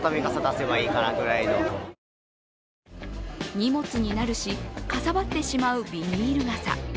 荷物になるし、かさばってしまうビニール傘。